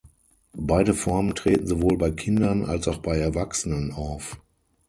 Beide Formen treten sowohl bei Kindern als auch bei Erwachsenen auf.